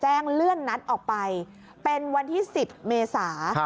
เลื่อนนัดออกไปเป็นวันที่๑๐เมษา